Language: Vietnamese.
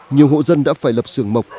nhiều hộ dân đã phải lập xưởng mộc